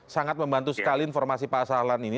sangat membantu sekali informasi pak sahlan ini